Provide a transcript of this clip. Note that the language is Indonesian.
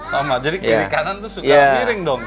sama jadi kiri kanan itu suka miring dong